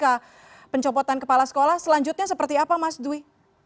nah pencopotan kepala sekolah selanjutnya seperti apa mas dwi